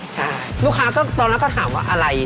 ใช่ลูกค้าก็ตอนนั้นก็ถามว่าอะไร